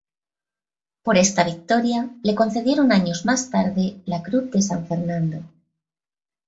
Por esta victoria le concedieron años más tarde la Cruz de San Fernando.